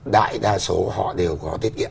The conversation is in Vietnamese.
đại đa số họ đều có tiết kiệm